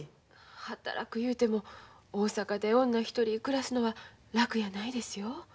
働くいうても大阪で女一人暮らすのは楽やないですよ。